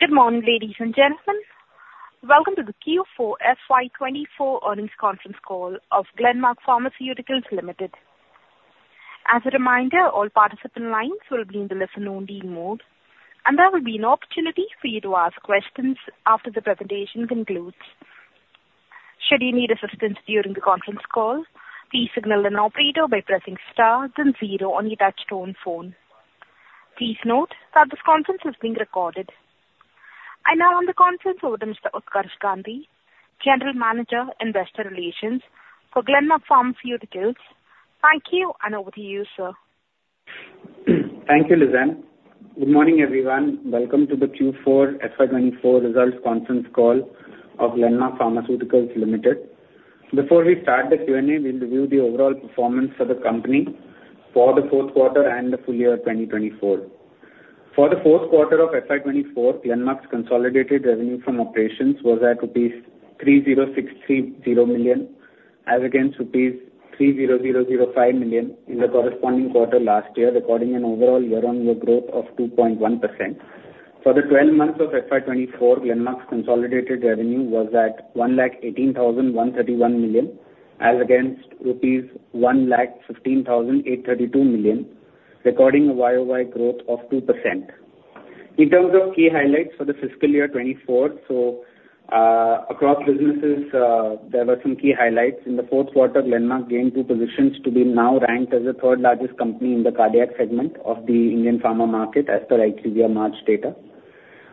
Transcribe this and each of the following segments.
Good morning, ladies and gentlemen. Welcome to the Q4 FY 2024 earnings conference call of Glenmark Pharmaceuticals Limited. As a reminder, all participant lines will be in the listen-only mode, and there will be an opportunity for you to ask questions after the presentation concludes. Should you need assistance during the conference call, please signal an operator by pressing star then zero on your touchtone phone. Please note that this conference is being recorded. I now hand the conference over to Mr. Utkarsh Gandhi, General Manager, Investor Relations for Glenmark Pharmaceuticals. Thank you, and over to you, sir. Thank you, Lizanne. Good morning, everyone. Welcome to the Q4 FY 2024 results conference call of Glenmark Pharmaceuticals Limited. Before we start the Q&A, we'll review the overall performance for the company for the fourth quarter and the full year 2024. For the fourth quarter of FY 2024, Glenmark's consolidated revenue from operations was at rupees 3,063 million, as against rupees 3,005 million in the corresponding quarter last year, recording an overall year-on-year growth of 2.1%. For the 12 months of FY 2024, Glenmark's consolidated revenue was at 118,131 million, as against rupees 115,832 million, recording a YOY growth of 2%. In terms of key highlights for the fiscal year 2024, so, across businesses, there were some key highlights. In the fourth quarter, Glenmark gained two positions to be now ranked as the third largest company in the cardiac segment of the Indian pharma market, as per IQVIA March data.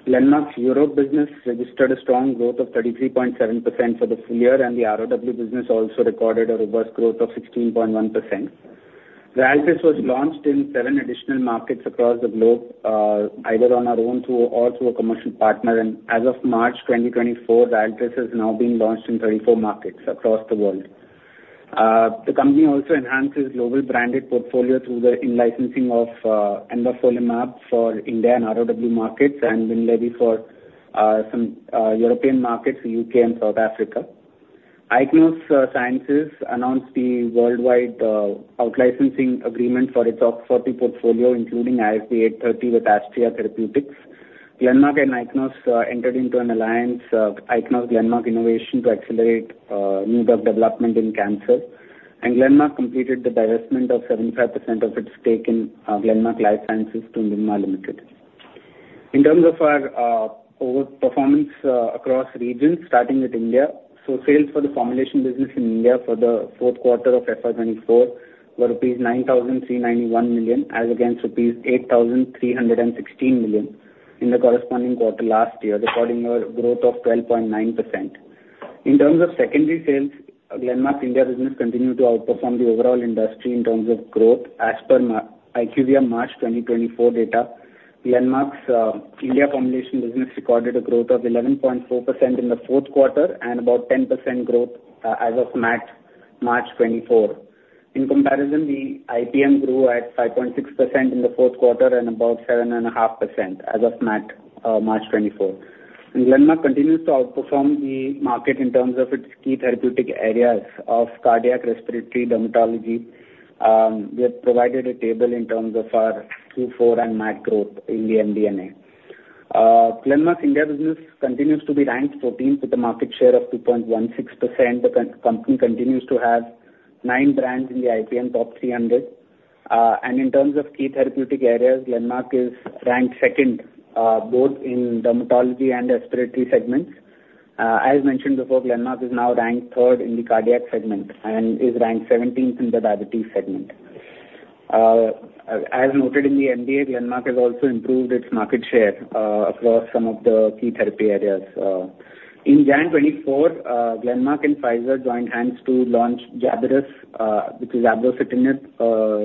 Glenmark's Europe business registered a strong growth of 33.7% for the full year, and the ROW business also recorded a revenue growth of 16.1%. Rialtris was launched in seven additional markets across the globe, either on our own or through a commercial partner, and as of March 2024, Rialtris has now been launched in 34 markets across the world. The company also enhances global branded portfolio through the in-licensing of envafolimab for India and ROW markets and Winlevi for some European markets, UK and South Africa. Ichnos Sciences announced the worldwide out-licensing agreement for its OX40 portfolio, including ISB 830 with Astria Therapeutics. Glenmark and Ichnos entered into an alliance, Ichnos Glenmark Innovation, to accelerate new drug development in cancer. Glenmark completed the divestment of 75% of its stake in Glenmark Life Sciences to Nirma Limited. In terms of our over performance across regions, starting with India, so sales for the formulation business in India for the fourth quarter of FY 2024 were rupees 9,391 million, as against rupees 8,316 million in the corresponding quarter last year, recording a growth of 12.9%. In terms of secondary sales, Glenmark India business continued to outperform the overall industry in terms of growth. As per mar... IQVIA March 2024 data, Glenmark's India formulation business recorded a growth of 11.4% in the fourth quarter and about 10% growth as of MAT March 2024. In comparison, the IPM grew at 5.6% in the fourth quarter and about 7.5% as of MAT March 2024. Glenmark continues to outperform the market in terms of its key therapeutic areas of cardiac, respiratory, dermatology. We have provided a table in terms of our Q4 and MAT growth in the MD&A. Glenmark India business continues to be ranked 14th, with a market share of 2.16%. The company continues to have nine brands in the IPM top 300. And in terms of key therapeutic areas, Glenmark is ranked second both in dermatology and respiratory segments. As mentioned before, Glenmark is now ranked third in the cardiac segment and is ranked seventeenth in the diabetes segment. As noted in the MAT, Glenmark has also improved its market share across some of the key therapy areas. In January 2024, Glenmark and Pfizer joined hands to launch Jabryus, which is abrocitinib,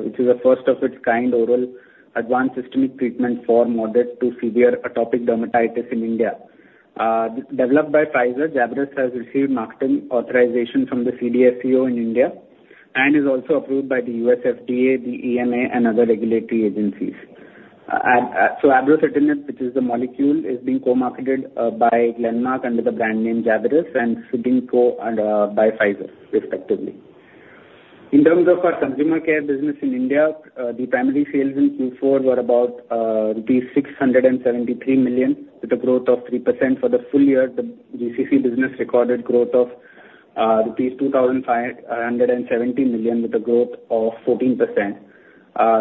which is a first of its kind oral advanced systemic treatment for moderate to severe atopic dermatitis in India. Developed by Pfizer, Jabryus has received marketing authorization from the CDSCO in India and is also approved by the U.S. FDA, the EMA, and other regulatory agencies. So abrocitinib, which is the molecule, is being co-marketed by Glenmark under the brand name Jabryus and Cibinqo by Pfizer, respectively. In terms of our consumer care business in India, the primary sales in Q4 were about rupees 673 million, with a growth of 3%. For the full year, the GCC business recorded growth of rupees 2,570 million, with a growth of 14%.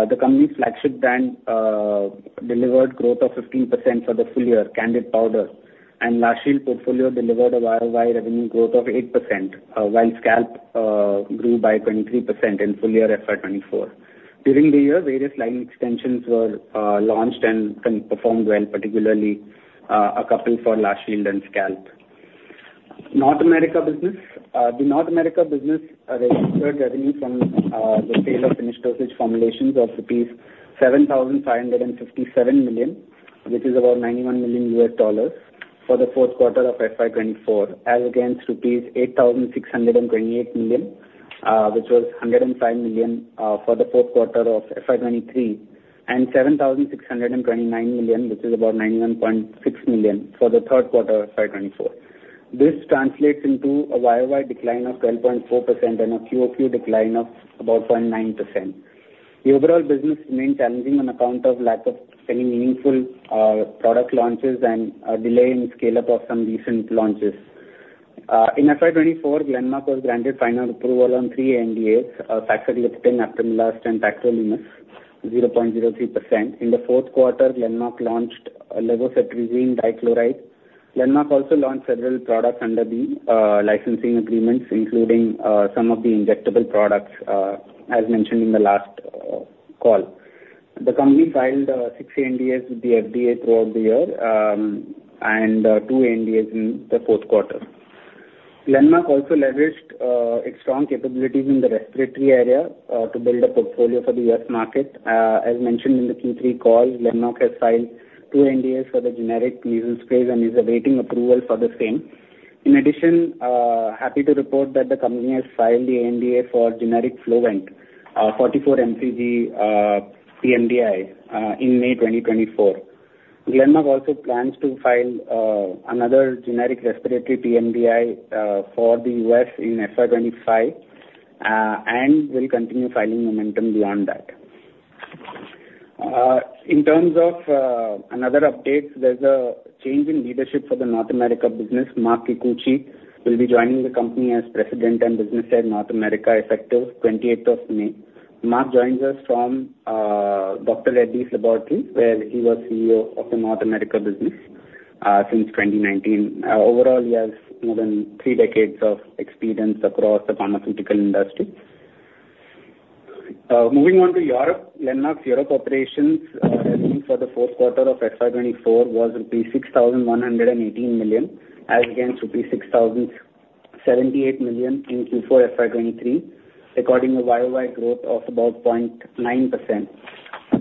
The company's flagship brand, Candid Powder, delivered growth of 15% for the full year, and La Shield portfolio delivered a YOY revenue growth of 8%, while Scalpe+, grew by 23% in full year FY 2024. During the year, various line extensions were launched and performed well, particularly a couple for La Shield and Scalpe+. North America business. The North America business registered revenue from the sale of finished dosage formulations of rupees 7,557 million, which is about $91 million U.S. dollars, for the fourth quarter of FY 2024, as against rupees 8,628 million, which was $105 million, for the fourth quarter of FY 2023, and 7,629 million, which is about $91.6 million for the third quarter of FY 2024. This translates into a year-over-year decline of 12.4% and a quarter-over-quarter decline of about 0.9%. The overall business remained challenging on account of lack of any meaningful product launches and a delay in scale-up of some recent launches. In FY 2024, Glenmark was granted final approval on three NDAs, tacrolimus, 0.03%. In the fourth quarter, Glenmark launched levofloxacin dihydrochloride. Glenmark also launched several products under the licensing agreements, including some of the injectable products, as mentioned in the last call. The company filed six NDAs with the FDA throughout the year, and two NDAs in the fourth quarter. Glenmark also leveraged its strong capabilities in the respiratory area to build a portfolio for the U.S. market. As mentioned in the Q3 call, Glenmark has filed two NDAs for the generic nasal sprays and is awaiting approval for the same. In addition, happy to report that the company has filed the NDA for generic Flovent, 44 mcg pMDI, in May 2024. Glenmark also plans to file another generic respiratory pMDI for the U.S. in FY 2025, and will continue filing momentum beyond that. In terms of another update, there's a change in leadership for the North America business. Mark Kikuchi will be joining the company as President and Business Head, North America, effective twenty-eighth of May. Mark joins us from Dr. Reddy's Laboratories, where he was CEO of the North America business since 2019. Overall, he has more than three decades of experience across the pharmaceutical industry. Moving on to Europe. Glenmark's Europe operations for the fourth quarter of FY 2024 was 6,118 million, as against 6,078 million in Q4 FY 2023, recording a YOY growth of about 0.9%.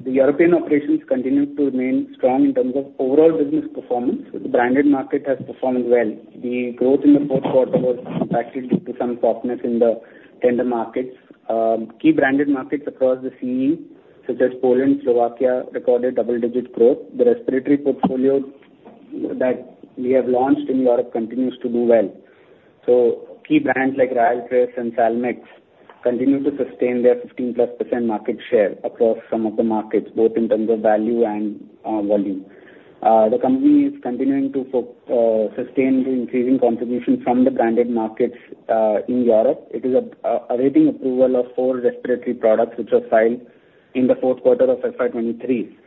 The European operations continued to remain strong in terms of overall business performance. The branded market has performed well. The growth in the fourth quarter was impacted due to some softness in the tender markets. Key branded markets across the CE, such as Poland, Slovakia, recorded double-digit growth. The respiratory portfolio that we have launched in Europe continues to do well. So key brands like Rialtris and Salmex continue to sustain their 15%+ market share across some of the markets, both in terms of value and volume. The company is continuing to sustain the increasing contribution from the branded markets in Europe. It is awaiting approval of 4 respiratory products, which were filed in the fourth quarter of FY 2023.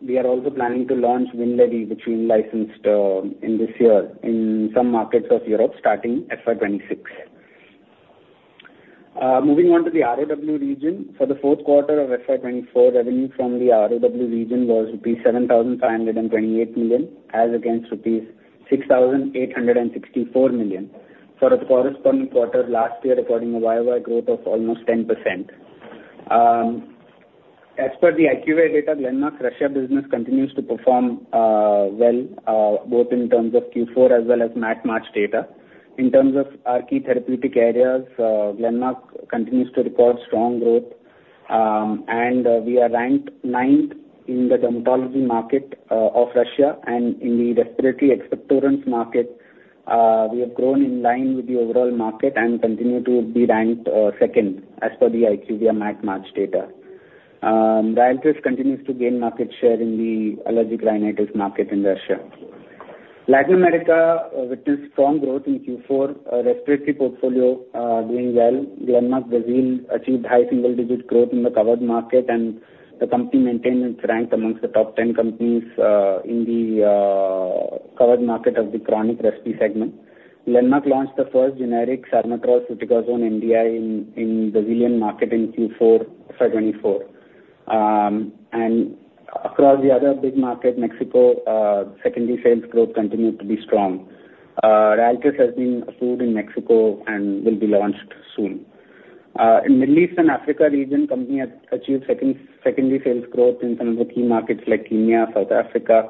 We are also planning to launch Winlevi, which we licensed in this year, in some markets of Europe, starting FY 2026. Moving on to the ROW region. For the fourth quarter of FY 2024, revenue from the ROW region was 7,528 million, as against 6,864 million for the corresponding quarter last year, recording a YOY growth of almost 10%. As per the IQVIA data, Glenmark's Russia business continues to perform well, both in terms of Q4 as well as MAT data. In terms of our key therapeutic areas, Glenmark continues to record strong growth, and we are ranked ninth in the dermatology market of Russia and in the respiratory expectorants market, we have grown in line with the overall market and continue to be ranked second as per the IQVIA MAT data. Rialtris continues to gain market share in the allergic rhinitis market in Russia. Latin America witnessed strong growth in Q4. Respiratory portfolio doing well. Glenmark Brazil achieved high single-digit growth in the covered market, and the company maintained its rank amongst the top 10 companies in the covered market of the chronic respiratory segment. Glenmark launched the first generic Symbicort on MDI in Brazilian market in Q4 FY 2024. And across the other big market, Mexico, secondary sales growth continued to be strong. Rialtris has been approved in Mexico and will be launched soon. In Middle East and Africa region, company has achieved secondary sales growth in some of the key markets like Kenya, South Africa.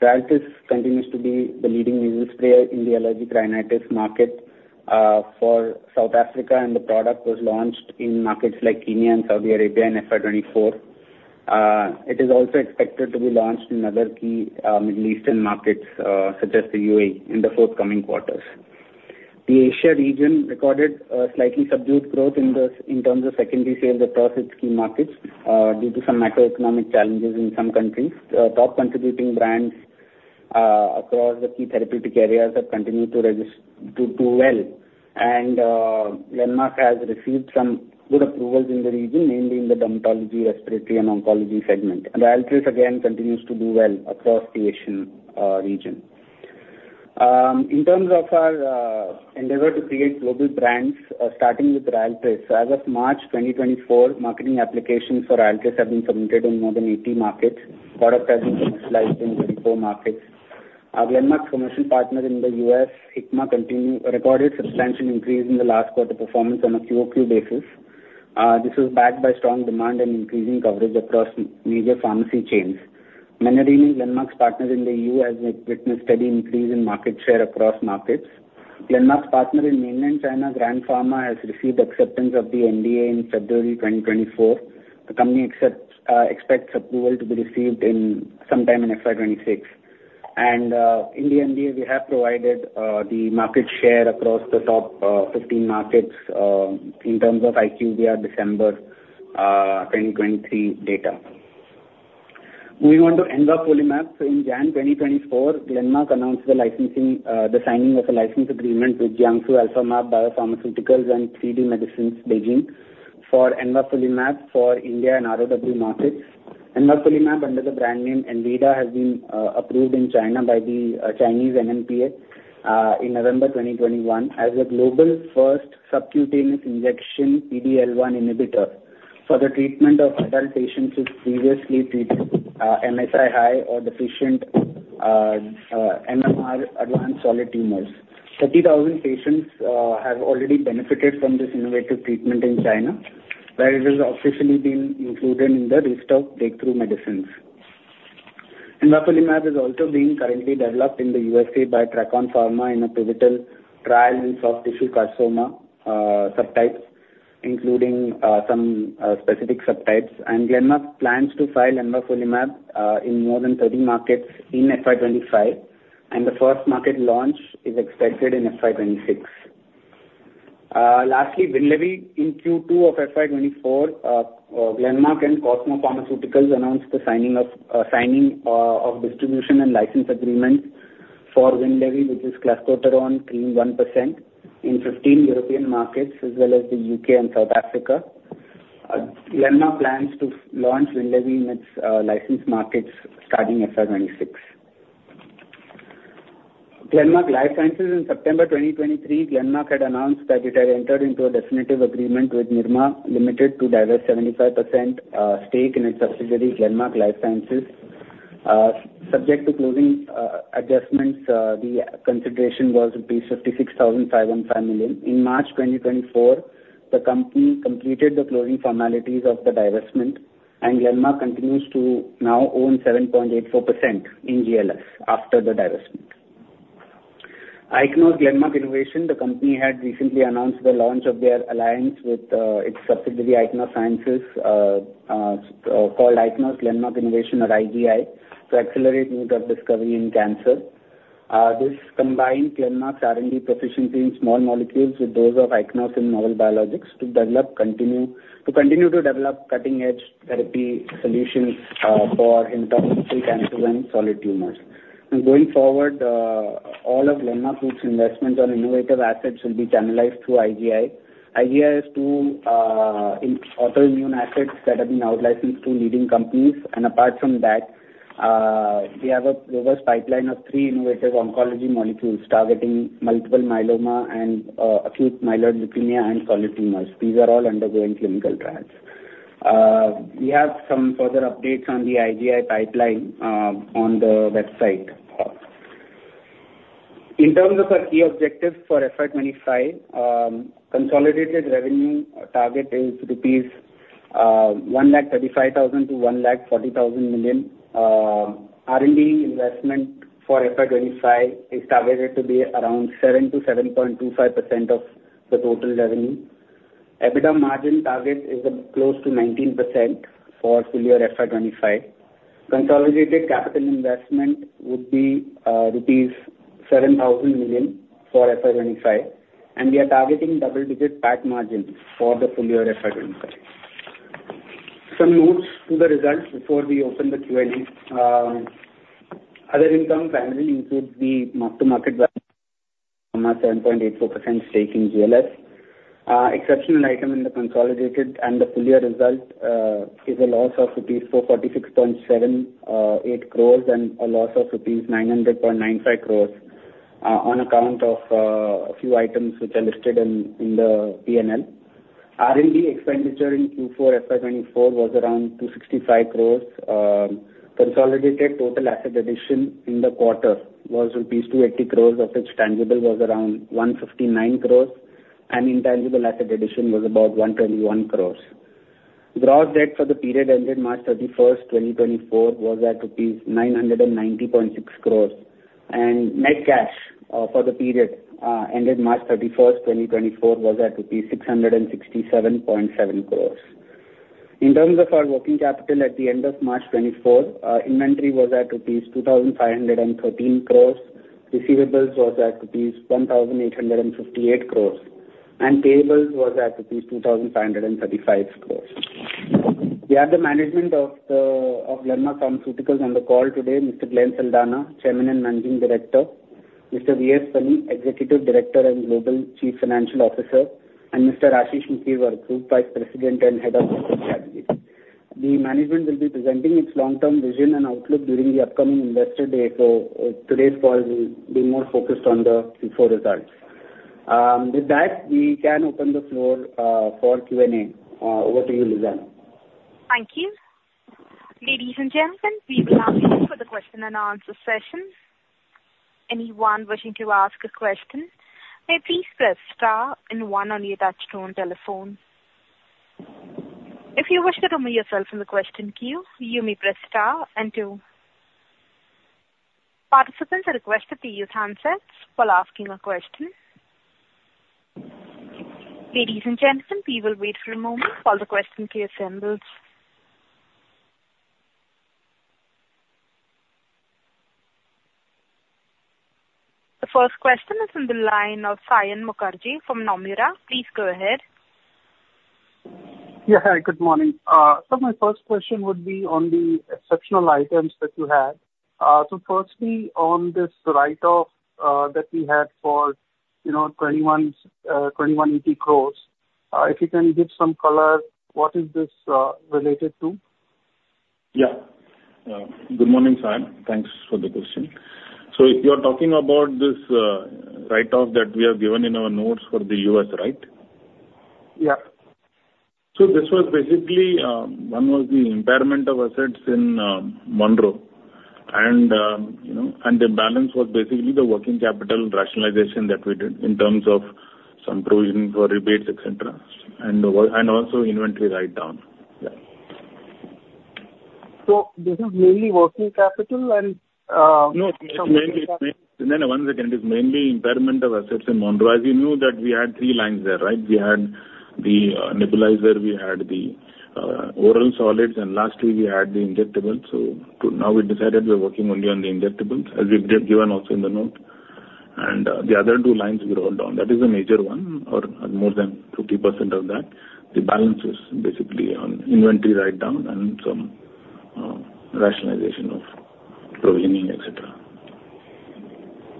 Rialtris continues to be the leading nasal spray in the allergic rhinitis market for South Africa, and the product was launched in markets like Kenya and Saudi Arabia in FY 2024. It is also expected to be launched in other key Middle Eastern markets, such as the UAE, in the forthcoming quarters. The Asia region recorded a slightly subdued growth in terms of secondary sales across its key markets due to some macroeconomic challenges in some countries. Top contributing brands across the key therapeutic areas have continued to do well. Glenmark has received some good approvals in the region, mainly in the dermatology, respiratory, and oncology segment. Rialtris, again, continues to do well across the Asian region. In terms of our endeavor to create global brands, starting with Rialtris. So as of March 2024, marketing applications for Rialtris have been submitted in more than 80 markets. Product has been licensed in 24 markets. Glenmark's commercial partner in the US, Hikma, continues to record substantial increase in the last quarter performance on a QOQ basis. This was backed by strong demand and increasing coverage across major pharmacy chains. Menarini, Glenmark's partner in the EU, has witnessed steady increase in market share across markets. Glenmark's partner in mainland China, Grand Pharma, has received acceptance of the NDA in February 2024. The company expects approval to be received sometime in FY 2026. In the NDA, we have provided the market share across the top 15 markets in terms of IQVIA December 2023 data. Moving on to envafolimab. So in January 2024, Glenmark announced the signing of a license agreement with Jiangsu Alphamab Biopharmaceuticals and 3D Medicines, Beijing, for envafolimab, for India and ROW markets. envafolimab, under the brand name Enweida, has been approved in China by the Chinese NMPA in November 2021, as a global first subcutaneous injection PD-L1 inhibitor for the treatment of adult patients who previously treated MSI-H or deficient MMR advanced solid tumors. 30,000 patients have already benefited from this innovative treatment in China, where it has officially been included in the list of breakthrough medicines. envafolimab is also being currently developed in the USA by TRACON Pharmaceuticals in a pivotal trial with soft tissue carcinoma subtypes, including some specific subtypes. Glenmark plans to file envafolimab in more than 30 markets in FY 2025, and the first market launch is expected in FY 2026. Lastly, Winlevi. In Q2 of FY 2024, Glenmark and Cosmo Pharmaceuticals announced the signing of signing of distribution and license agreements for Winlevi, which is clascoterone cream 1% in 15 European markets, as well as the UK and South Africa. Glenmark plans to launch Winlevi in its licensed markets starting FY 2026. Glenmark Life Sciences. In September 2023, Glenmark had announced that it had entered into a definitive agreement with Nirma Limited to divest 75% stake in its subsidiary, Glenmark Life Sciences. Subject to closing adjustments, the consideration was rupees 56,505 million. In March 2024, the company completed the closing formalities of the divestment, and Glenmark continues to now own 7.84% in GLS after the divestment. Ichnos Glenmark Innovation. The company had recently announced the launch of their alliance with its subsidiary, Ichnos Sciences, called Ichnos Glenmark Innovation, or IGI, to accelerate new drug discovery in cancer. This combined Glenmark's R&D proficiency in small molecules with those of Ichnos in novel biologics to develop to continue to develop cutting-edge therapy solutions for hematologic cancers and solid tumors. Going forward, all of Glenmark Group's investments on innovative assets will be channelized through IGI. IGI has two in autoimmune assets that have been out-licensed to leading companies, and apart from that, we have a diverse pipeline of three innovative oncology molecules targeting Multiple Myeloma and acute myeloid leukemia and Solid Tumors. These are all undergoing clinical trials. We have some further updates on the IGI pipeline on the website. In terms of our key objectives for FY 2025, consolidated revenue target is 135,000 million-140,000 million rupees. R&D investment for FY 2025 is targeted to be around 7%-7.25% of the total revenue. EBITDA margin target is close to 19% for full year FY 2025. Consolidated capital investment would be rupees 7,000 million for FY 2025, and we are targeting double-digit PAT margins for the full year FY 2025. Some notes to the results before we open the Q&A. Other income primarily includes the mark-to-market value from our 7.84% stake in GLS. Exceptional item in the consolidated and the full year result is a loss of rupees 446.78 crore and a loss of rupees 900.95 crore on account of a few items which are listed in the P&L. R&D expenditure in Q4 FY 2024 was around 265 crore. Consolidated total asset addition in the quarter was rupees 280 crore, of which tangible was around 159 crore and intangible asset addition was about 121 crore. Gross debt for the period ended March 31, 2024, was at rupees 990.6 crore, and net cash for the period ended March 31, 2024, was at rupees 667.7 crore. In terms of our working capital, at the end of March 2024, our inventory was at rupees 2,513 crores, receivables was at rupees 1,858 crores, and payables was at rupees 2,535 crores. We have the management of Glenmark Pharmaceuticals on the call today. Mr. Glenn Saldanha, Chairman and Managing Director, Mr. V. S. Mani, Executive Director and Global Chief Financial Officer, and Mr. Ashish Mali, Vice President and Head of Corporate Strategy. The management will be presenting its long-term vision and outlook during the upcoming Investor Day. So, today's call will be more focused on the Q4 results. With that, we can open the floor for Q&A. Over to you, Lizanne. Thank you. Ladies and gentlemen, we will now begin with the question-and-answer session. Anyone wishing to ask a question, may please press star and one on your touchtone telephone.... If you wish to remove yourself from the question queue, you may press star and two. Participants are requested to use handsets while asking a question. Ladies and gentlemen, we will wait for a moment while the question queue assembles. The first question is on the line of Sayan Mukherjee from Nomura. Please go ahead. Yeah. Hi, good morning. So my first question would be on the exceptional items that you had. So firstly, on this write-off that we had for, you know, 2,180 crore, if you can give some color, what is this related to? Yeah. Good morning, Sayan. Thanks for the question. So if you are talking about this, write-off that we have given in our notes for the U.S., right? Yeah. So this was basically one was the impairment of assets in Monroe. And you know, and the balance was basically the working capital rationalization that we did in terms of some provision for rebates, et cetera, and also inventory write-down. Yeah. This is mainly working capital and, No, it's mainly impairment of assets in Monroe. As you know that we had three lines there, right? We had the nebulizer, we had the oral solids, and lastly, we had the injectables. So now we decided we are working only on the injectables, as we've given also in the note. And the other two lines we wrote down. That is a major one, or more than 50% of that. The balance is basically on inventory write-down and some rationalization of provisioning, et cetera.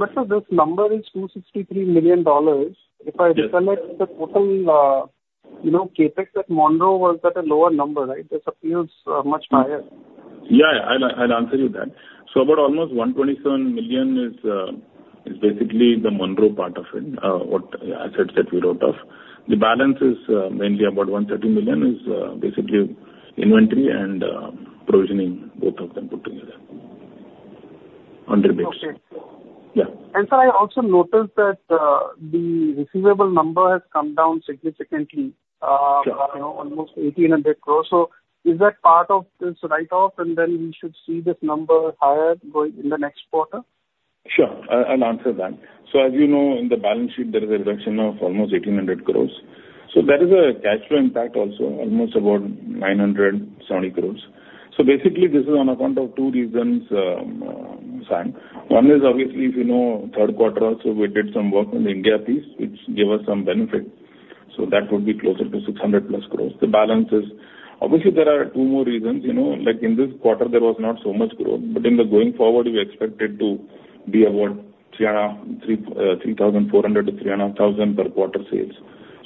This number is $263 million. Yeah. If I connect the total, you know, CapEx at Monroe was at a lower number, right? This appears much higher. Yeah, yeah, I'll answer you that. So about almost 127 million is basically the Monroe part of it, what assets that we wrote off. The balance is mainly about 130 million is basically inventory and provisioning, both of them put together on rebates. Okay. Yeah. I also noticed that the receivable number has come down significantly. Sure. You know, almost 1,800 crores. So is that part of this write-off, and then we should see this number higher going in the next quarter? Sure. I, I'll answer that. So as you know, in the balance sheet, there is a reduction of almost 1,800 crores. So there is a cash flow impact also, almost about 970 crores. So basically, this is on account of two reasons, Sayan. One is obviously, if you know, third quarter also, we did some work on the India piece, which gave us some benefit, so that would be closer to 600+ crores. The balance is. Obviously, there are two more reasons, you know. Like, in this quarter, there was not so much growth, but in the going forward, we expected to be about 3,400-3,500 per quarter sales.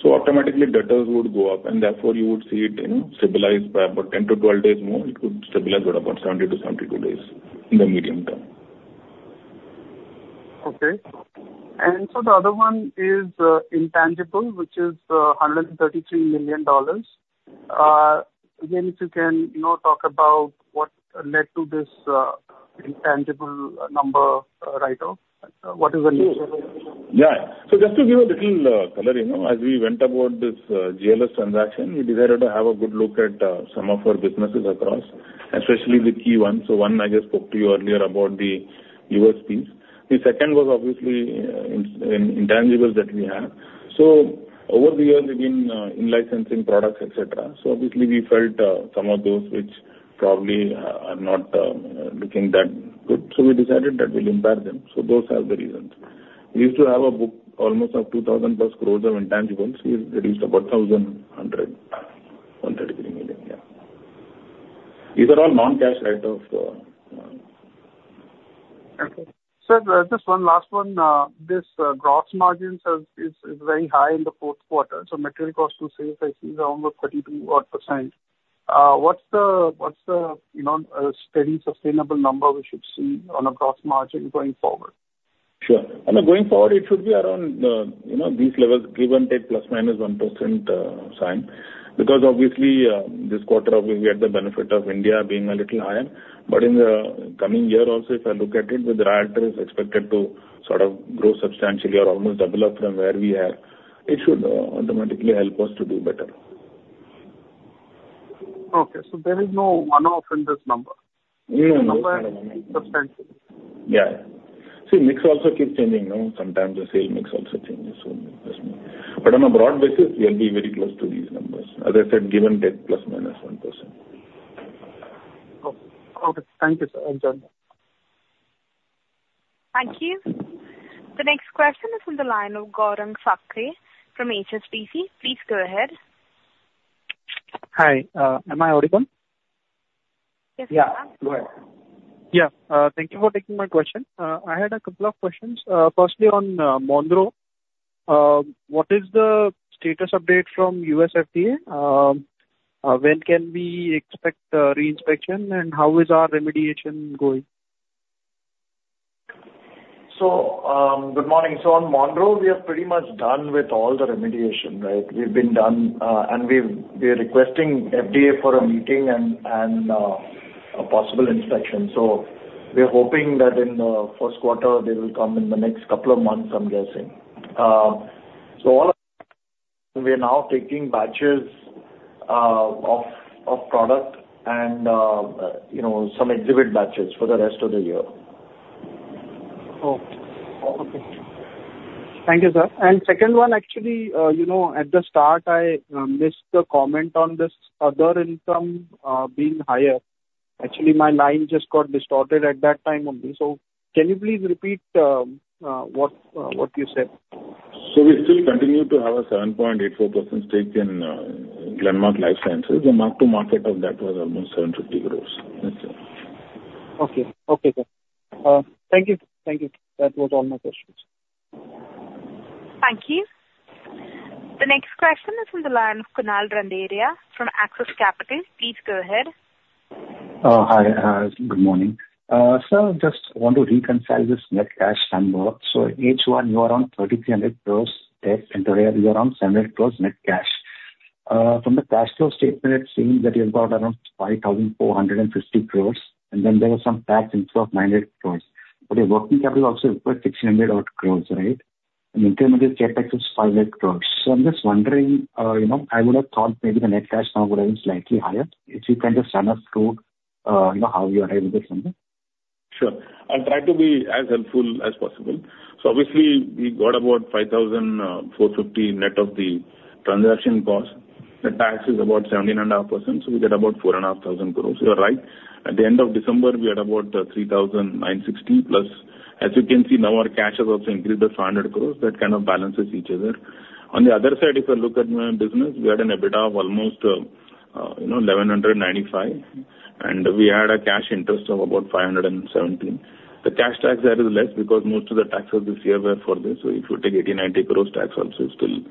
So automatically, debtors would go up, and therefore you would see it, you know, stabilize by about 10-12 days more. It could stabilize at about 70-72 days in the medium term. Okay. And so the other one is intangible, which is $133 million. Again, if you can, you know, talk about what led to this intangible number write-off. What is the reason? Yeah. So just to give a little color, you know, as we went about this GLS transaction, we decided to have a good look at some of our businesses across, especially the key ones. So one, I just spoke to you earlier about the U.S. piece. The second was obviously in intangibles that we have. So over the years, we've been in licensing products, et cetera. So obviously, we felt some of those which probably are not looking that good, so we decided that we'll impair them. So those are the reasons. We used to have a book almost of 2,000+ crores of intangibles. We've reduced about 1,100 million, yeah. These are all non-cash write-offs. Okay. Sir, just one last one. This gross margins is very high in the fourth quarter, so material cost to sales I see is around 32 odd%. What's the you know steady sustainable number we should see on a gross margin going forward? Sure. And going forward, it should be around, you know, these levels, give or take, plus or minus 1%, Sayan. Because obviously, this quarter, obviously, we had the benefit of India being a little higher. But in the coming year also, if I look at it, with Rialtris expected to sort of grow substantially or almost double up from where we are, it should automatically help us to do better. Okay, so there is no one-off in this number? No, no, no. The number is substantial. Yeah. See, mix also keeps changing, no? Sometimes the sale mix also changes, so yes. But on a broad basis, we'll be very close to these numbers, as I said, give or take, plus, minus 1%. Okay. Okay, thank you, sir. I'm done. Thank you. The next question is on the line of Gaurang Sakare from HSBC. Please go ahead. Hi, am I audible? Yes, you are. Yeah, go ahead. Yeah, thank you for taking my question. I had a couple of questions. Firstly, on Monroe, what is the status update from U.S. FDA? When can we expect reinspection, and how is our remediation going? So, good morning. So on Monroe, we are pretty much done with all the remediation, right? We've been done, and we are requesting FDA for a meeting and a possible inspection. So we are hoping that in first quarter, they will come in the next couple of months, I'm guessing. So all we are now taking batches of product and you know, some exhibit batches for the rest of the year. Oh, okay. Thank you, sir. And second one, actually, you know, at the start, I missed the comment on this other income being higher. Actually, my line just got distorted at that time only. So can you please repeat what you said? We still continue to have a 7.84% stake in Glenmark Life Sciences. The mark-to-market of that was almost 750 gross. That's it. Okay. Okay, sir. Thank you. Thank you. That was all my questions. Thank you. The next question is from the line of Kunal Randeria from Axis Capital. Please go ahead. Hi, good morning. Just want to reconcile this net cash number. H1, you are around 3,300 crore, and you are around 700 crore net cash. From the cash flow statement, it seems that you've got around 5,450 crore, and then there was some tax inflow of 900 crore. Your working capital also required 600 crore, right? Intermittent CapEx is 5 crore. I'm just wondering, you know, I would have thought maybe the net cash now would have been slightly higher. If you can just run us through, you know, how you arrive at this number. Sure. I'll try to be as helpful as possible. So obviously, we got about 5,450 net of the transaction cost. The tax is about 17.5%, so we get about 4,500 crores. You are right. At the end of December, we had about 3,960, plus, as you can see now, our cash has also increased to 500 crores. That kind of balances each other. On the other side, if you look at my business, we had an EBITDA of almost, you know, 1,195, and we had a cash interest of about 517. The cash tax there is less because most of the taxes this year were for this. So if you take 80-90 crores tax also, still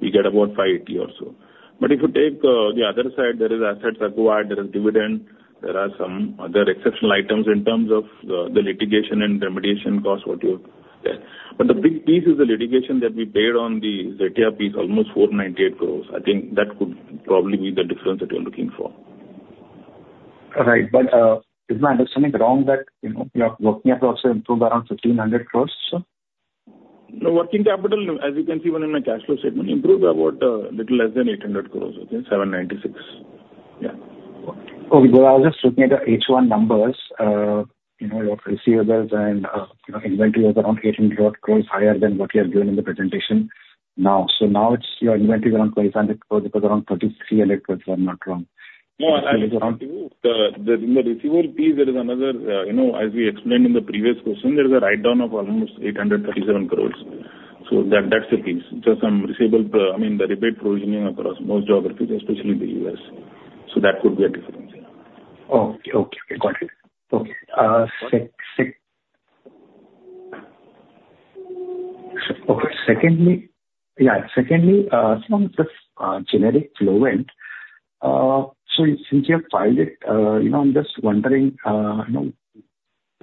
we get about 580 or so. But if you take the other side, there are assets acquired, there is dividend, there are some other exceptional items in terms of the litigation and remediation costs what you have there. But the big piece is the litigation that we paid on the Zetia piece, almost 498 crore. I think that could probably be the difference that you're looking for. Right. But, is my understanding wrong that, you know, your working capital also improved around 1,500 crore, so? No working capital, as you can see even in my cash flow statement, improved about a little less than 800 crores, okay? 796 crores. Yeah. Okay. I was just looking at the H1 numbers, you know, your receivables and, you know, inventory was around 18 odd crore higher than what you have given in the presentation now. So now it's your inventory is around 2,500 crore, because around 3,300 crore, if I'm not wrong. No, in the receivable piece, there is another, you know, as we explained in the previous question, there is a write down of almost 837 crore. So that, that's the piece. Just some receivable, I mean, the rebate provisioning across most geographies, especially the US. So that could be a difference, yeah. Okay. Okay, got it. Okay. Okay. Secondly, yeah, secondly, so just, generic Flovent. So since you have filed it, you know, I'm just wondering, you know,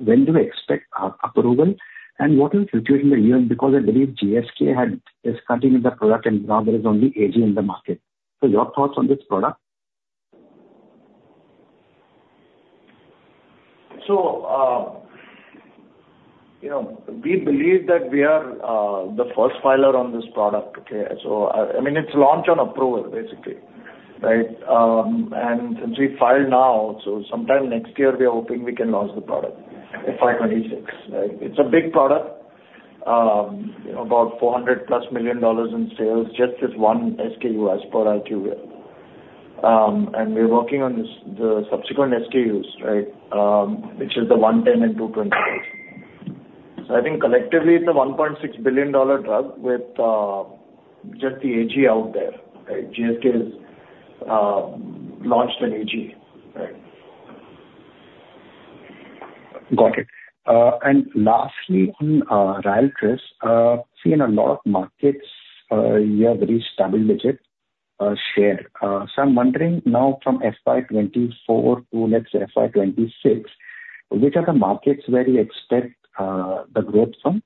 when do we expect approval, and what is the situation in the U.S.? Because I believe GSK had, is continuing the product and now there is only AG in the market. So your thoughts on this product? So, you know, we believe that we are the first filer on this product, okay? So, I mean, it's launch on approval, basically, right? And since we filed now, so sometime next year, we are hoping we can launch the product, FY 2026, right? It's a big product, about $400+ million in sales, just this one SKU, as per IQVIA. And we're working on the subsequent SKUs, right, which is the 110 and 226. So I think collectively, it's a $1.6 billion drug with just the AG out there, right? GSK has launched an AG, right. Got it. And lastly, on Rialtris, I see in a lot of markets you have very stable market share. So I'm wondering now from FY 2024 to, let's say, FY 2026, which are the markets where you expect the growth from?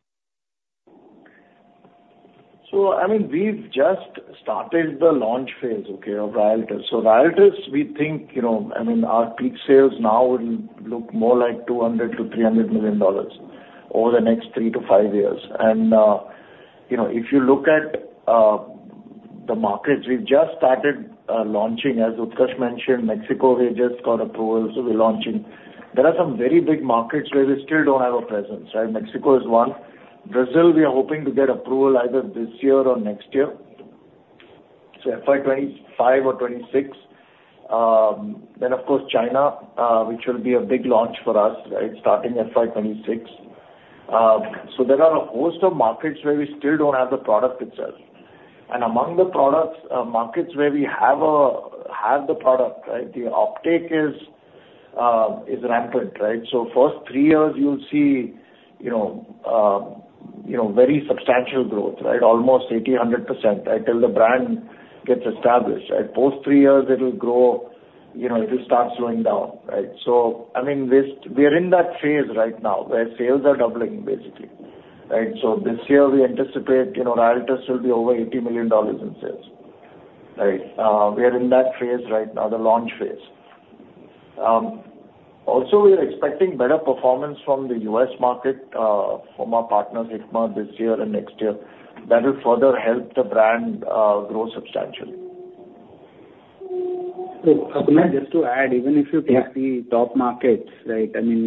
So, I mean, we've just started the launch phase, okay, of Rialtris. So Rialtris, we think, you know, I mean, our peak sales now will look more like $200 million-$300 million over the next three to five years. And, you know, if you look at the markets, we've just started launching, as Utkarsh mentioned, Mexico, we just got approval, so we're launching. There are some very big markets where we still don't have a presence, right? Mexico is one. Brazil, we are hoping to get approval either this year or next year, so FY 2025 or 2026. Then, of course, China, which will be a big launch for us, right, starting FY 2026. So there are a host of markets where we still don't have the product itself. Among the products, markets where we have the product, right, the uptake is rampant, right? So first three years, you'll see, you know, you know, very substantial growth, right? Almost 80%-100%, right, till the brand gets established, right. Post three years, it'll grow, you know, it'll start slowing down, right? So, I mean, this, we are in that phase right now, where sales are doubling, basically, right? So this year, we anticipate, you know, Rialtris will be over $80 million in sales, right? We are in that phase right now, the launch phase. Also, we are expecting better performance from the U.S. market, from our partner Hikma this year and next year. That will further help the brand grow substantially. Just to add, even if you take- Yeah The top markets, right? I mean,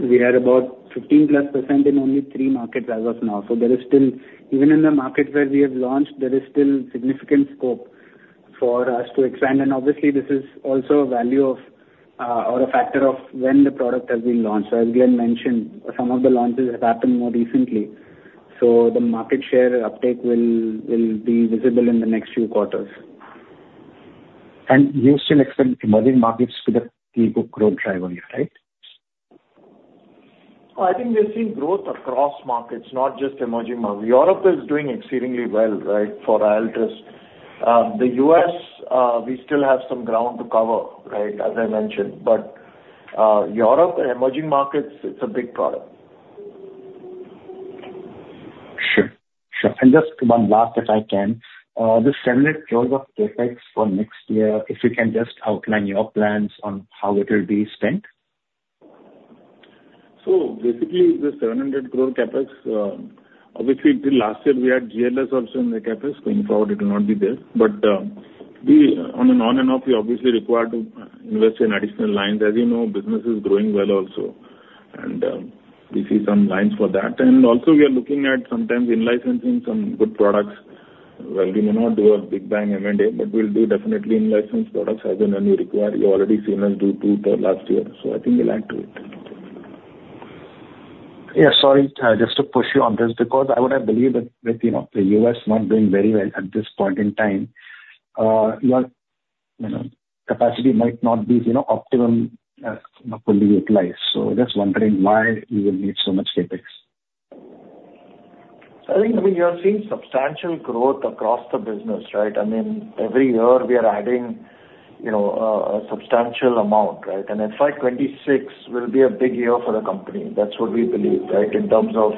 we are about 15%+ in only three markets as of now. So there is still, even in the markets where we have launched, there is still significant scope for us to expand. And obviously, this is also a value of, or a factor of when the product has been launched. So as Glen mentioned, some of the launches have happened more recently, so the market share uptake will, will be visible in the next few quarters. You still expect emerging markets to be the key book growth driver here, right? I think we've seen growth across markets, not just emerging markets. Europe is doing exceedingly well, right, for Rialtris. The U.S., we still have some ground to cover, right, as I mentioned, but, Europe and emerging markets, it's a big product. Sure. Sure, and just one last, if I can. The INR 700 crore of CapEx for next year, if you can just outline your plans on how it will be spent. So basically, the 700 crore CapEx, obviously, till last year we had GLS also in the CapEx. Going forward, it will not be there. But, we on an on and off, we obviously required to invest in additional lines. As you know, business is growing well also, and, we see some lines for that. And also we are looking at sometimes in licensing some good products. While we may not do a big bang M&A, but we'll do definitely in-licensed products as and when you require. You've already seen us do two the last year, so I think we'll add to it. Yeah. Sorry, just to push you on this, because I would have believed that, you know, the U.S. not doing very well at this point in time, your, you know, capacity might not be, you know, optimum, not fully utilized. So just wondering why you will need so much CapEx. I think, I mean, you are seeing substantial growth across the business, right? I mean, every year we are adding, you know, a substantial amount, right? And FY 26 will be a big year for the company. That's what we believe, right, in terms of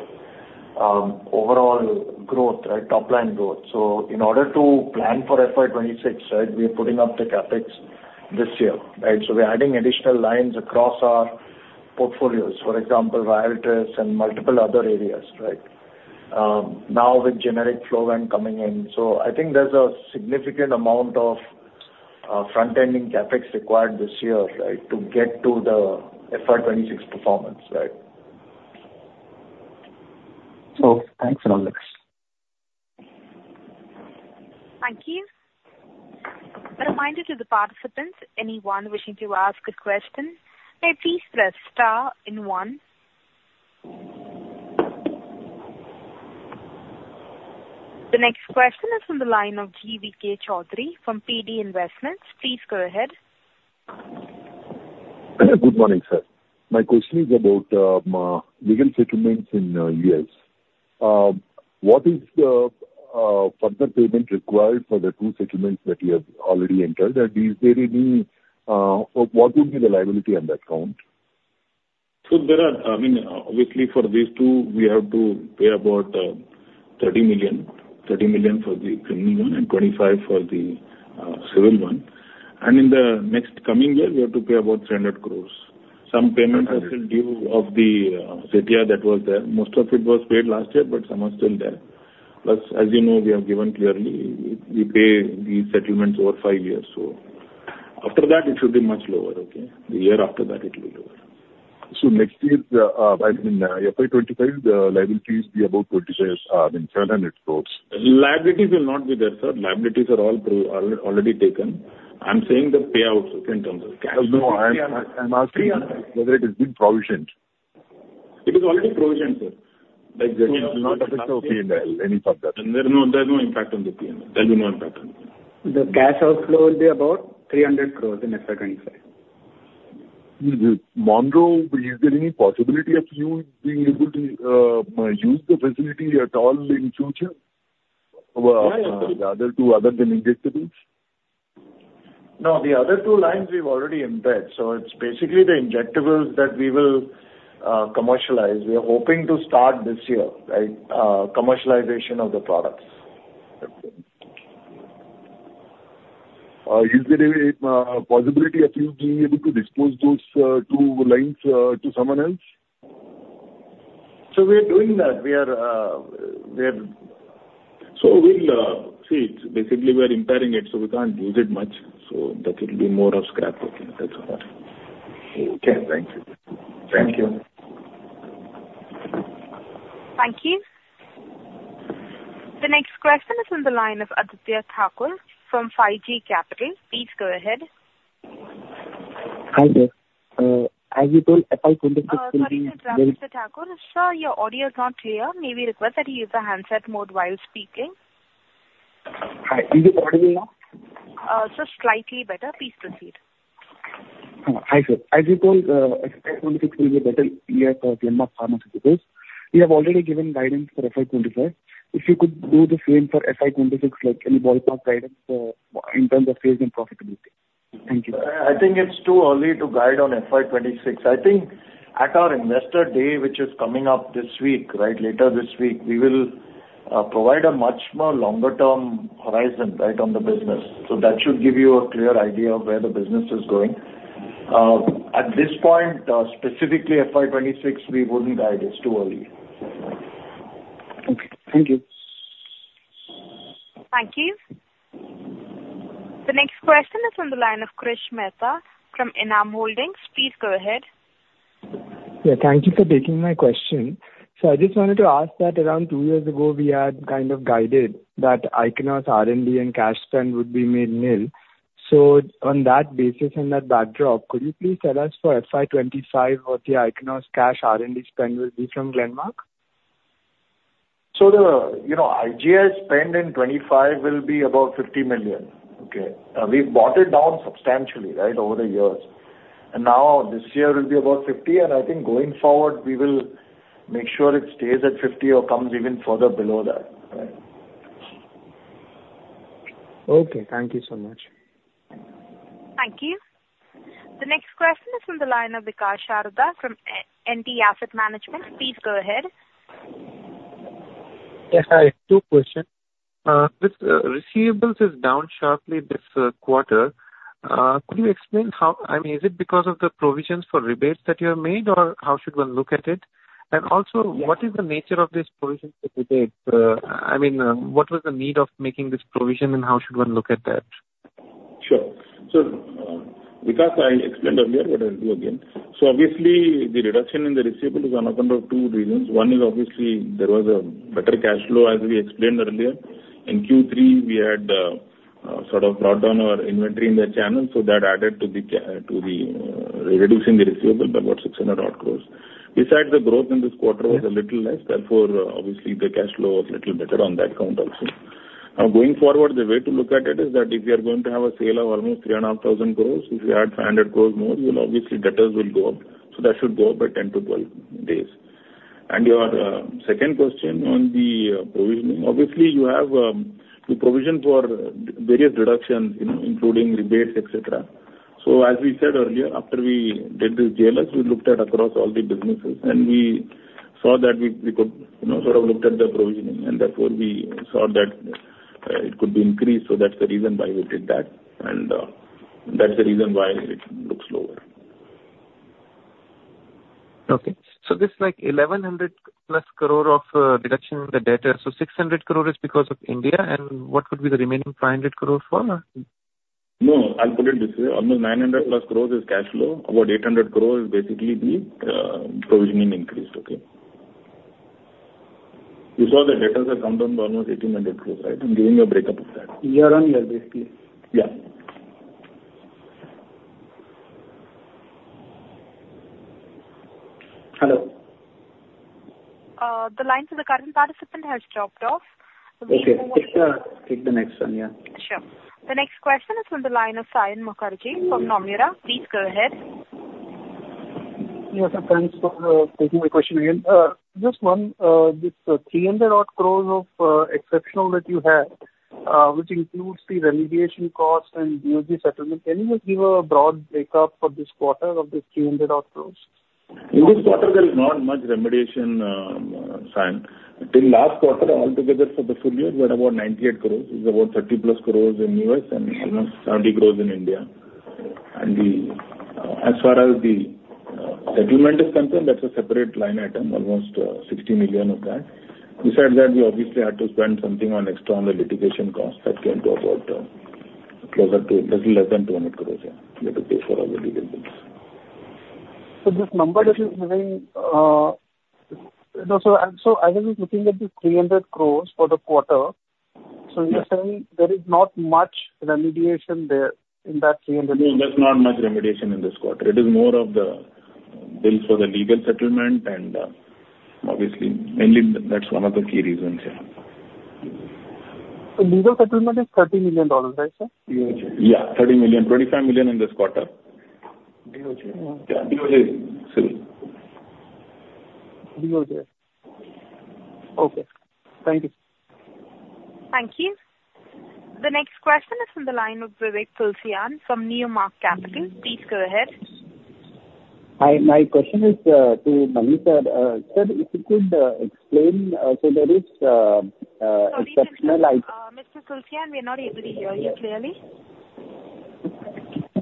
overall growth, right, top line growth. So in order to plan for FY 26, right, we are putting up the CapEx this year, right? So we are adding additional lines across our portfolios, for example, Rialtris and multiple other areas, right? Now with generic Flovent coming in. So I think there's a significant amount of front-ending CapEx required this year, right, to get to the FY 26 performance, right. Thanks a lot. Thank you. A reminder to the participants, anyone wishing to ask a question, may please press star and one. The next question is from the line of G.V.K. Chaudhary from PD Investments. Please go ahead. Good morning, sir. My question is about legal settlements in U.S. What is the further payment required for the two settlements that you have already entered? And is there any... Or what would be the liability on that count? There are, I mean, obviously, for these two, we have to pay about $30 million, $30 million for the criminal one and $25 million for the civil one. In the next coming year, we have to pay about 300 crores. Some payments are still due of the Zetia that was there. Most of it was paid last year, but some are still there. Plus, as you know, we have given clearly, we pay these settlements over 5 years, so after that it should be much lower. Okay? The year after that, it will be lower. Next year, I mean, FY 2025, the liability is be about 26, I mean, 300 crores. Liabilities will not be there, sir. Liabilities are all already taken. I'm saying the payouts in terms of cash. No, I'm asking whether it is being provisioned. It is already provisioned, sir. There is no effect on P&L, any further. There are no impact on the PNL. There'll be no impact on PNL. The cash outflow will be about 300 crore in FY 25. Monroe, is there any possibility of you being able to use the facility at all in future? Well, the other two other than injectables. No, the other two lines we've already impaired, so it's basically the injectables that we will commercialize. We are hoping to start this year, right, commercialization of the products. Is there any possibility of you being able to dispose those two lines to someone else? So we are doing that. We are, we are- So we'll see. Basically, we are impairing it, so we can't use it much. So that will be more of scrap. Okay, that's all right. Okay, thank you. Thank you. Thank you. The next question is on the line of Aditya Thakur from 5Y Capital. Please go ahead. Hi there. As you told, FY 26- Sorry, sir, Aditya Thakur. Sir, your audio is not clear. May we request that you use the handset mode while speaking? Hi, can you hear me now? Sir, slightly better. Please proceed. Hi, sir. As you told, FY 26 will be a better year for Glenmark Pharmaceuticals. You have already given guidance for FY 25. If you could do the same for FY 26, like any ballpark guidance, in terms of sales and profitability. Thank you. I think it's too early to guide on FY 2026. I think at our investor day, which is coming up this week, right, later this week, we will provide a much more longer term horizon, right, on the business. So that should give you a clear idea of where the business is going. At this point, specifically FY 2026, we wouldn't guide. It's too early. Okay. Thank you. Thank you. The next question is on the line of Krish Mehta from Enam Holdings. Please go ahead. Yeah, thank you for taking my question. So I just wanted to ask that around two years ago, we had kind of guided that Ichnos R&D and cash spend would be made nil. So on that basis, in that backdrop, could you please tell us for FY 25, what the Ichnos cash R&D spend will be from Glenmark? The, you know, IGI spend in 2025 will be about $50 million, okay? We've brought it down substantially, right, over the years. Now this year will be about $50 million, and I think going forward, we will make sure it stays at $50 million or comes even further below that, right? Okay, thank you so much. Thank you. The next question is from the line of Vikas Sharda from Antique Stock Broking. Please go ahead. Yes, hi, two questions. This receivables is down sharply this quarter. Could you explain how—I mean, is it because of the provisions for rebates that you have made, or how should one look at it? And also- What is the nature of this provision for rebates? I mean, what was the need of making this provision, and how should one look at that? Sure. So, Vikas, I explained earlier, but I'll do again. So obviously, the reduction in the receivable is on account of two reasons: one is obviously there was a better cash flow, as we explained earlier. In Q3, we had sort of brought down our inventory in the channel, so that added to the, to the reducing the receivable by about 600 crore. Besides, the growth in this quarter-... was a little less. Therefore, obviously, the cash flow was little better on that count also. Now, going forward, the way to look at it is that if you are going to have a sale of almost 3,500 crores, if you add 500 crores more, your obviously debtors will go up. So that should go up by 10-12 days. And your, second question on the, provisioning. Obviously, you have, you provision for various deductions, you know, including rebates, et cetera. So as we said earlier, after we did the GLS, we looked at across all the businesses, and we saw that we, we could, you know, sort of looked at the provisioning, and therefore we saw that, it could be increased. So that's the reason why we did that, and, that's the reason why it looks lower. Okay. So this, like, 1,100+ crore of deduction, the data, so 600 crore is because of India, and what would be the remaining 500 crore for? No, I'll put it this way. Almost 900+ crores is cash flow. About 800 crores is basically the provisioning increase, okay? You saw the debtors have come down to almost 1,800 crores, right? I'm giving you a breakup of that. Year-on-year, basically. Yeah. Hello? The line to the current participant has dropped off. We will move- Okay. Take the, take the next one, yeah. Sure. The next question is from the line of Sayan Mukherjee from Nomura. Please go ahead. Yes, sir, thanks for taking my question again. Just one, this 300 odd crores of exceptional that you had, which includes the remediation cost and DOJ settlement. Can you just give a broad breakup for this quarter of this 300 odd crores? In this quarter, there is not much remediation, Sayan. Until last quarter, altogether for the full year, we had about 98 crores. It was about 30+ crores in U.S. and almost 70 crores in India. And the, as far as the, settlement is concerned, that's a separate line item, almost, $60 million of that. Besides that, we obviously had to spend something on external litigation costs that came to about, closer to, less than 200 crores, yeah, we had to pay for our legal bills. So this number that is having. No, so I was looking at the 300 crore for the quarter. Yeah. So you're saying there is not much remediation there in that 300 crore? No, there's not much remediation in this quarter. It is more of the bill for the legal settlement and, obviously, mainly that's one of the key reasons, yeah. So legal settlement is $30 million, right, sir? DOJ. Yeah, 30 million, 25 million in this quarter. DOJ? Yeah, DOJ, civil. DOJ. Okay. Thank you. Thank you. The next question is from the line of Vivek Tulsyan from Newmark Capital. Please go ahead. Hi, my question is to Mani, sir. Sir, if you could explain, so there is exceptional item- Sorry, Mr. Tulsiyan, we're not able to hear you clearly.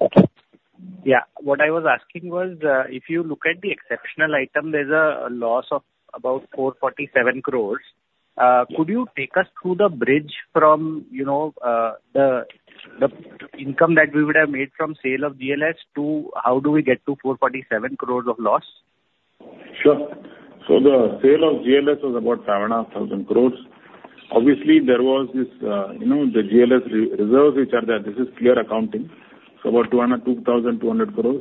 Okay. Yeah. What I was asking was, if you look at the exceptional item, there's a loss of about 447 crores. Could you take us through the bridge from, you know, the income that we would have made from sale of GLS to how do we get to 447 crores of loss? Sure. So the sale of GLS was about 7,500 crore. Obviously, there was this, you know, the GLS reserves which are there. This is clear accounting, so about 2,200 crore.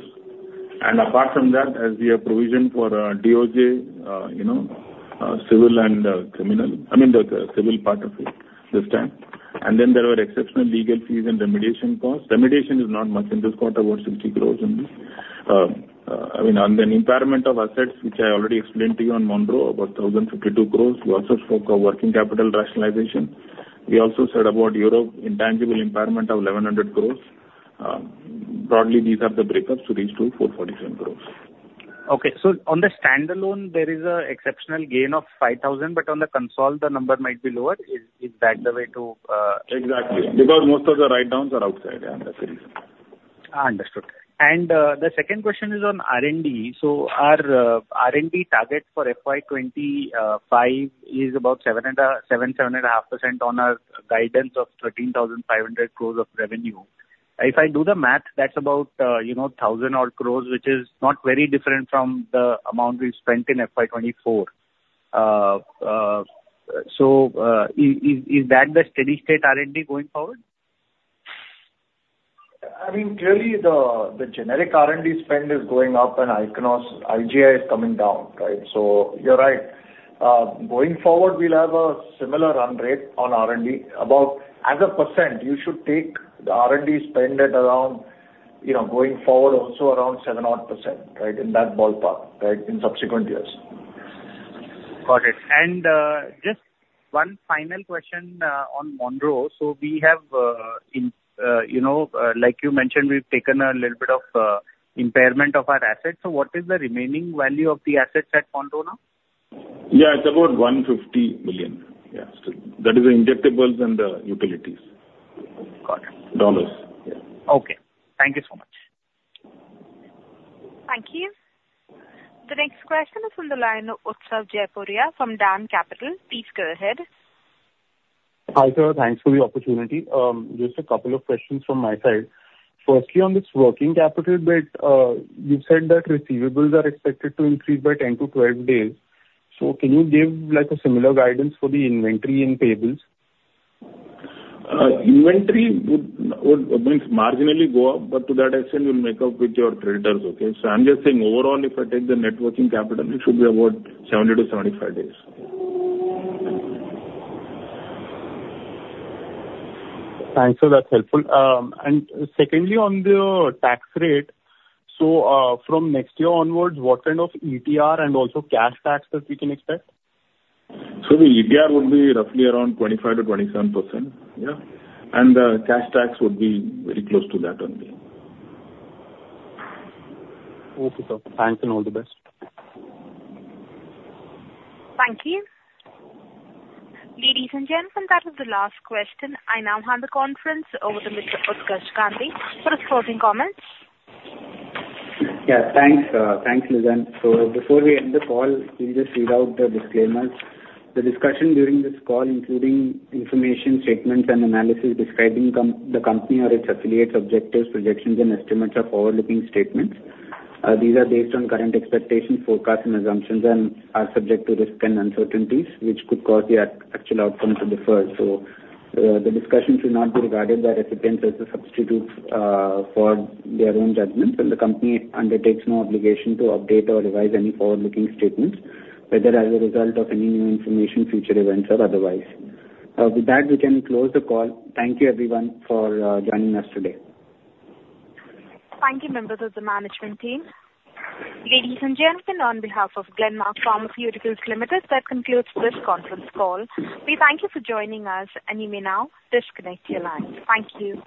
And apart from that, as we have provisioned for, DOJ, you know, civil and, criminal, I mean, the civil part of it this time, and then there were exceptional legal fees and remediation costs. Remediation is not much in this quarter, about 60 crore in this. I mean, on the impairment of assets, which I already explained to you on Monroe, about 1,052 crore. We also spoke of working capital rationalization. We also said about Europe, intangible impairment of 1,100 crore. Broadly, these are the breakups to reach to 447 crore.... Okay, so on the standalone, there is an exceptional gain of 5,000, but on the consolidated, the number might be lower. Is that the way to? Exactly. Because most of the write-downs are outside, yeah, that's the reason. Understood. The second question is on R&D. So our R&D target for FY 2025 is about 7.5% on a guidance of 13,500 crore of revenue. If I do the math, that's about, you know, 1,000 crore, which is not very different from the amount we spent in FY 2024. So, is that the steady state R&D going forward? I mean, clearly, the generic R&D spend is going up and Ichnos, IGI is coming down, right? So you're right. Going forward, we'll have a similar run rate on R&D. About as a percent, you should take the R&D spend at around, you know, going forward, also around 7 odd %, right? In that ballpark, right, in subsequent years. Got it. Just one final question on Monroe. So we have, you know, like you mentioned, we've taken a little bit of impairment of our assets. So what is the remaining value of the assets at Monroe now? Yeah, it's about $150 million. Yeah, still. That is the injectables and the utilities. Got it. Dollars. Yeah. Okay. Thank you so much. Thank you. The next question is from the line of Utsav Jaipuria from DAM Capital. Please go ahead. Hi, sir, thanks for the opportunity. Just a couple of questions from my side. Firstly, on this working capital bit, you said that receivables are expected to increase by 10-12 days. So can you give, like, a similar guidance for the inventory and payables? Inventory would mean marginally go up, but to that extent, you'll make up with your creditors, okay? So I'm just saying overall, if I take the net working capital, it should be about 70-75 days. Thanks, so that's helpful. And secondly, on the tax rate, so, from next year onwards, what kind of ETR and also cash taxes we can expect? The ETR would be roughly around 25%-27%. Yeah. Cash tax would be very close to that only. Okay, sir. Thanks, and all the best. Thank you. Ladies and gentlemen, that was the last question. I now hand the conference over to Mr. Utkarsh Gandhi for his closing comments. Yeah, thanks, thanks, Lizanne. So before we end the call, we'll just read out the disclaimers. The discussion during this call, including information, statements, and analysis describing the company or its affiliates, objectives, projections, and estimates are forward-looking statements. These are based on current expectations, forecasts, and assumptions and are subject to risk and uncertainties, which could cause the actual outcome to differ. So, the discussion should not be regarded by recipients as a substitute for their own judgment, and the company undertakes no obligation to update or revise any forward-looking statements, whether as a result of any new information, future events, or otherwise. With that, we can close the call. Thank you, everyone, for joining us today. Thank you, members of the management team. Ladies and gentlemen, on behalf of Glenmark Pharmaceuticals Limited, that concludes this conference call. We thank you for joining us, and you may now disconnect your lines. Thank you.